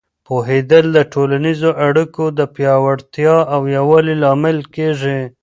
پوهېدل د ټولنیزو اړیکو د پیاوړتیا او یووالي لامل کېږي.